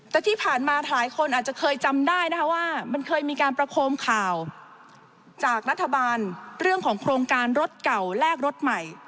แต่ที่ผ่านมาหลายคนอาจจะเคยจำได้นะคะว่ามันเคยมีการประโคมข่าวจากรัฐบาลเรื่องของโครงการรถเก่าแลกรถใหม่